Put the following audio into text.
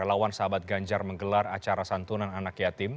relawan sahabat ganjar menggelar acara santunan anak yatim